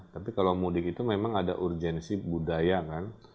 tapi kalau mudik itu memang ada urgensi budaya kan